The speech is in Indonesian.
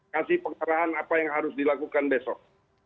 kasih pengarahan apa yang harus dilakukan besok